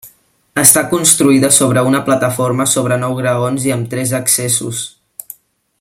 Està construïda sobre una plataforma sobre nou graons, i amb tres accessos.